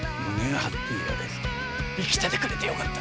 生きててくれてよかった。